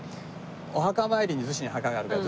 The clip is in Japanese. お墓参りに逗子に墓があるから。